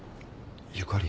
ゆかり。